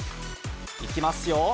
いきますよ。